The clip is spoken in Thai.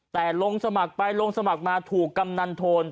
แต่ลงสมัครไปลงสมัครมาถูกกำนันโทน